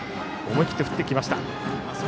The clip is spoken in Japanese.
思い切って振ってきました。